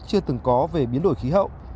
chưa từng có về biến đổi khí hậu